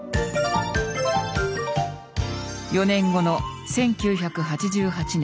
４年後の１９８８年。